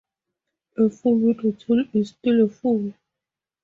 A fool with a tool is still a fool.